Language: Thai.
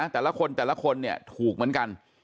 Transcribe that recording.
แต่ละคนแต่ละคนเนี่ยถูกเหมือนกัน